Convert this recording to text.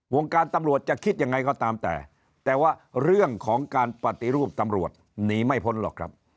การตำรวจจะคิดยังไงก็ตามแต่แต่ว่าเรื่องของการปฏิรูปตำรวจหนีไม่พ้นหรอกครับ